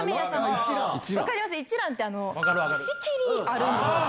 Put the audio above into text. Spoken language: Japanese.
一蘭って仕切りあるんですよ。